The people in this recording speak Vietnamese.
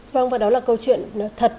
vâng và đó là câu chuyện thật